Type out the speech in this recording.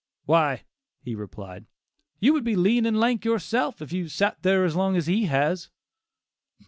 "Why," he replied, "you would be lean and lank yourself, if you sat there as long as he has."